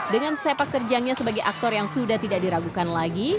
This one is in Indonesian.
dengan sepak terjangnya sebagai aktor yang sudah tidak diragukan lagi